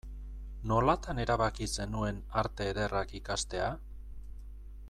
Nolatan erabaki zenuen Arte Ederrak ikastea?